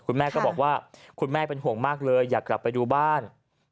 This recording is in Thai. คุณแม่เป็นห่วงมากเลยอยากกลับไปดูบ้าน